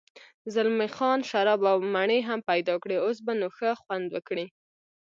زلمی خان شراب او مڼې هم پیدا کړې، اوس به نو ښه خوند وکړي.